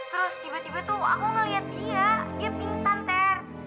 terus tiba tiba tuh aku ngeliat dia dia pingsan ter